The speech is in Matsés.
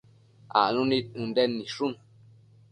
acnu nid Ënden nidshun